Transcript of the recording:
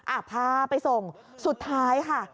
อ่ะพาไปส่งสุดท้ายค่ะ